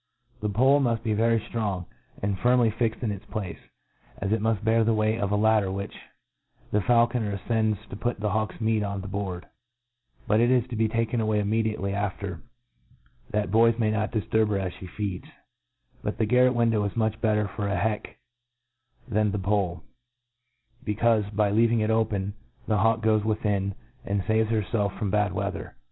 The pole muft ' be very ftrong, and firmly fixed in its place, as it muft bear the weight .of a ladder which the Caulconer afcends to put the hawk^s meat on the board j but it k to be taken away immediately after, that boys may not difturb her as Ihe fecds^ But the garret window is much better for a heck fhan the pole j becaufe, by leaving it open, <hc hawk goes within, and faves herfelf from bad wea ther.